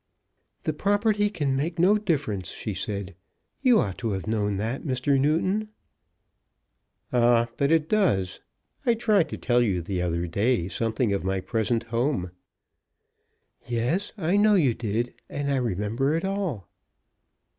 "The property can make no difference," she said. "You ought to have known that, Mr. Newton." "Ah; but it does. I tried to tell you the other day something of my present home." "Yes; I know you did; and I remember it all."